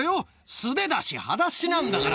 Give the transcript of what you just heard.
素手だし、はだしなんだから。